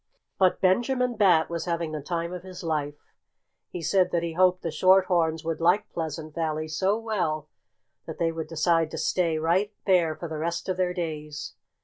But Benjamin Bat was having the time of his life. He said that he hoped the Short horns would like Pleasant Valley so well that they would decide to stay right there for the rest of their days.